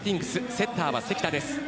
セッターは関田です。